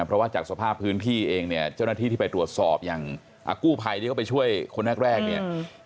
เพราะว่าจากสภาพพื้นที่เองเนี่ยเจ้าหน้าที่ที่ไปตรวจสอบอย่างกู้ภัยที่เขาไปช่วยคนแรกเนี่ย